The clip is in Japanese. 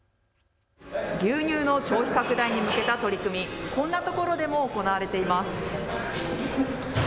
牛乳の消費拡大に向けた取り組み、こんなところでも行われています。